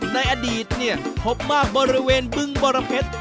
ในอดีตเนี่ยพบมากบริเวณบึงบรเพชร